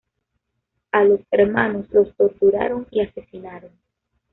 A los hermanos los torturaron y asesinaron.